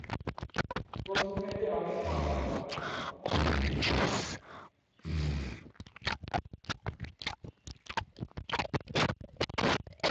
Stadium কমপ্লেক্সে একটি indoor stadium রয়েছে।